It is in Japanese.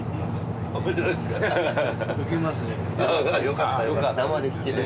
よかったよかった。